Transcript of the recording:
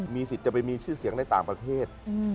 มีสิทธิ์จะไปมีชื่อเสียงในต่างประเทศ